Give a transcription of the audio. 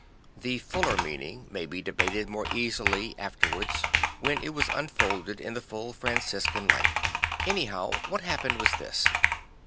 The fuller meaning may be debated more easily afterwards, when it was unfolded in the full Franciscan life. Anyhow what happened was this.